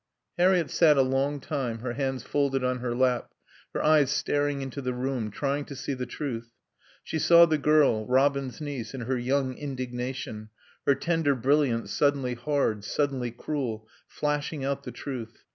... Harriett sat a long time, her hands folded on her lap, her eyes staring into the room, trying to see the truth. She saw the girl, Robin's niece, in her young indignation, her tender brilliance suddenly hard, suddenly cruel, flashing out the truth.